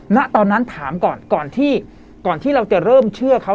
ณตอนนั้นถามก่อนก่อนที่ก่อนที่เราจะเริ่มเชื่อเขา